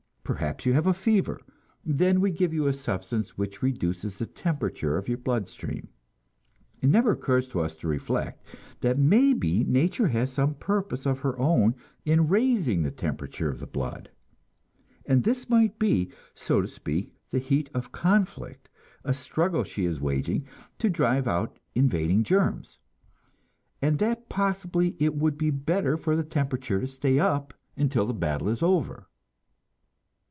Perhaps you have a fever; then we give you a substance which reduces the temperature of your blood stream. It never occurs to us to reflect that maybe nature has some purpose of her own in raising the temperature of the blood; that this might be, so to speak, the heat of conflict, a struggle she is waging to drive out invading germs; and that possibly it would be better for the temperature to stay up until the battle is over.